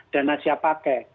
dana siap pakai